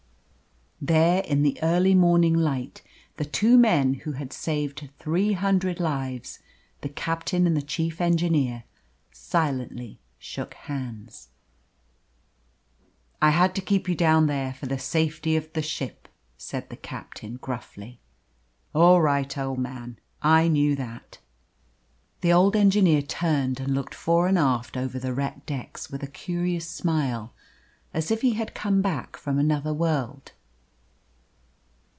There, in the early morning light, the two men who had saved three hundred lives the captain and the chief engineer silently shook hands. "I had to keep you down there for the safety of the ship," said the captain gruffly. "All right, old man, I knew that." The old engineer turned and looked fore and aft over the wrecked decks with a curious smile as if he had come back from another world.